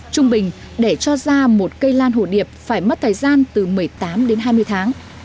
trung bình để cho ra một cây lan hồ điệp phải mất thời gian từ một mươi tám đến hai mươi tháng